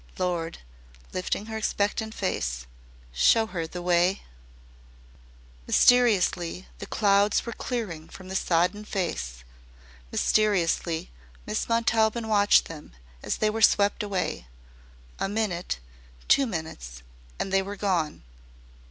Lord," lifting her expectant face, "show her the wye." Mysteriously the clouds were clearing from the sodden face mysteriously. Miss Montaubyn watched them as they were swept away! A minute two minutes and they were gone.